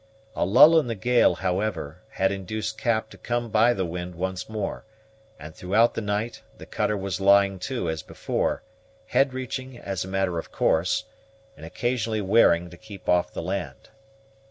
A lull in the gale, however, had induced Cap to come by the wind once more, and throughout the night the cutter was lying to as before, head reaching as a matter of course, and occasionally wearing to keep off the land.